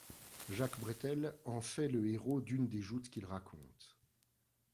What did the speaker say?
Jacques Bretel en fait le héros d'une des joutes qu'il raconte.